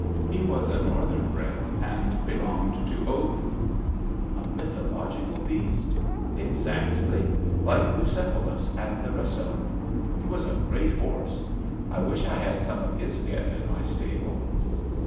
He was a northern bred, and belonged to Odin.^^ A! mythological beast? ^'Exactly. Like Buceph alus and the rest of 'em. He was a great horse* I wish I had some of his get in my stable.